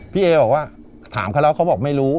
พี่เอบอกว่าถามเขาแล้วเขาบอกไม่รู้